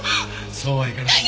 そうはいかないんだよ。